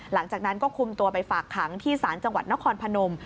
หลังจากนั้นก็คุมตัวไปฝากขังที่ศาลจังหวัดนครพนม